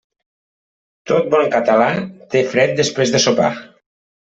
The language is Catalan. Tot bon català té fred després de sopar.